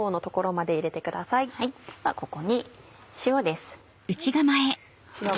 ここに塩です。